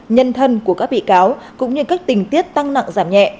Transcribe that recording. nhân thân của các bị cáo cũng như các tình tiết tăng nặng giảm nhẹ